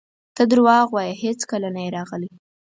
ته درواغ وایې هیڅکله نه یې راغلی!